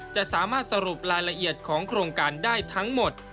จะสามารถสรุปรายละเอียดของโครงการได้ทั้งหมด